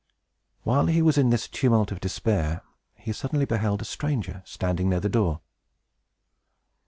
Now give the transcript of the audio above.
While he was in this tumult of despair, he suddenly beheld a stranger standing near the door.